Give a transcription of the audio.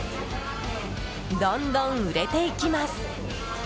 どんどん売れていきます。